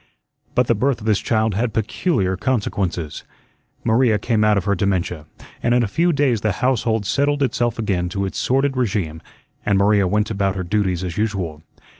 But the birth of this child had peculiar consequences. Maria came out of her dementia, and in a few days the household settled itself again to its sordid regime and Maria went about her duties as usual.